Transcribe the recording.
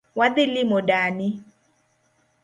Wadhi limo dani